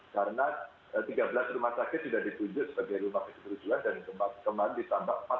karena tiga belas rumah sakit sudah ditunjuk sebagai rumah keseluruhan dan kemarin disambang empat puluh lima lagi